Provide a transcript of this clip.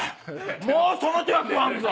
もうその手は食わんぞ！